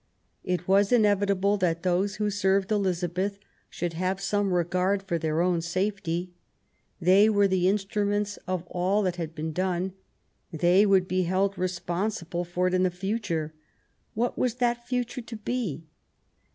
It was inevitable that those who served Elizabeth should have some regard for their own safety. They were the instruments of all that had been done ; they would be held responsible for it in the future; what was that future to be?